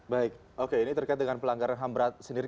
baik oke ini terkait dengan pelanggaran ham berat sendiri